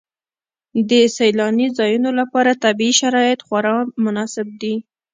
د سیلاني ځایونو لپاره طبیعي شرایط خورا مناسب دي.